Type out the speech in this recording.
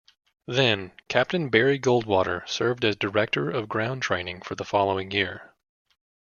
Then-Captain Barry Goldwater served as director of ground training the following year.